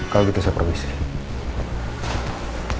kalau gitu saya pergi sih